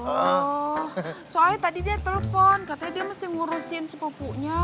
oh soalnya tadi dia telpon katanya dia mesti ngurusin sepupunya